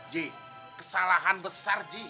ji kesalahan besar ji